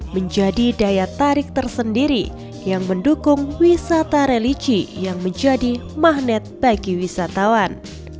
menjadi daya tarik tersendiri yang mendukung wisata religi yang menjadi magnet bagi wisatawan